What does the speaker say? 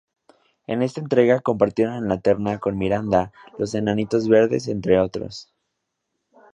En esta entrega compartieron la terna con Miranda!, Los Enanitos Verdes, entre otros.